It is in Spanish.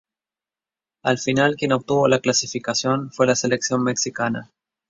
Al final quien obtuvo la clasificación fue la selección mexicana.